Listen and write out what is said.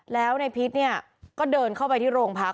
แล้วนายพิษก็เดินเข้าไปที่โรงพัก